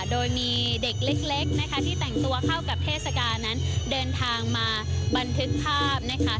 โดยมีเด็กเล็กนะคะที่แต่งตัวเข้ากับเทศกาลนั้นเดินทางมาบันทึกภาพนะคะ